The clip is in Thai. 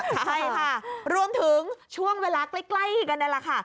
ใช่ค่ะรวมถึงช่วงเวลาใกล้กันนั่นแหละค่ะ